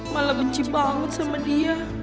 malah benci banget sama dia